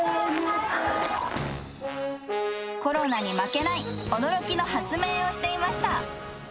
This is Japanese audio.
コロナに負けない驚きの発明をしていました。